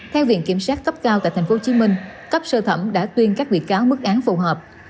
theo viện kiểm sát cấp cao tại tp hcm cấp sơ thẩm đã tuyên các bị cáo mức án phù hợp